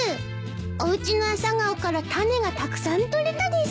おうちのアサガオから種がたくさんとれたです。